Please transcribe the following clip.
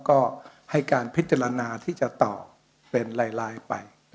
ก็ให้การพิจารณาที่จะตอบเป็นลายไป